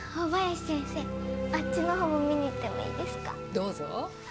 どうぞ。